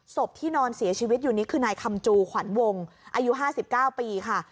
ศพที่นอนเสียชีวิตอยู่นี้คือนายคำจูขวัญวงอายุ๕๙ปีค่ะ